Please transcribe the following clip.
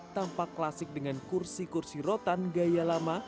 tampak klasik dengan kursi kursi rotan gaya lama